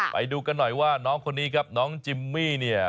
ไปดูกันหน่อยว่าน้องคนนี้ครับน้องจิมมี่เนี่ย